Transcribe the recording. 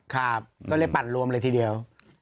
ครับก็เลยปั่นรวมเลยทีเดียว